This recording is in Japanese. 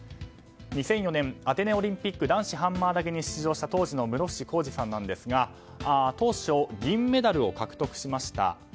２００４年、アテネオリンピック男子ハンマー投げに出場した当時の室伏広治さんなんですが銀メダルを獲得しました。